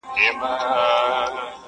شاعرانو پکښي ولوستل شعرونه!.